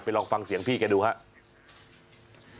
ลองฟังเสียงพี่แกดูครับ